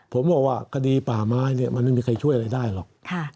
ผมบอกว่าคดีป่าไม้เนี่ยมันไม่มีใครช่วยอะไรได้หรอก